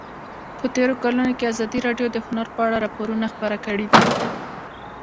په تېرو کلونو کې ازادي راډیو د هنر په اړه راپورونه خپاره کړي دي.